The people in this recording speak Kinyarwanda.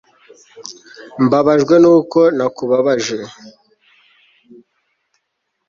mbabajwe nuko nakubabaje